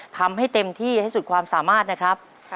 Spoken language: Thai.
ทำให้เต็มที่ให้สุดความสามารถนะครับ